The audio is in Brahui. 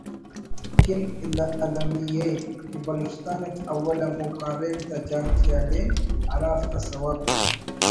کن المی ءِ کہ بلوچستان اٹ اول ہمو کاریم تا جاچ ءِ ہلین ہرافتا سوب